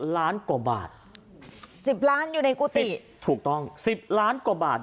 ล้านกว่าบาทสิบล้านอยู่ในกุฏิถูกต้อง๑๐ล้านกว่าบาท